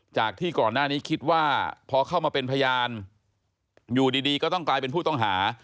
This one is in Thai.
จากที่ก่อนหน้านี้คิดว่าพอเข้ามาเป็นพยานอยู่ดีก็ต้องกลายเป็นผู้ต้องหา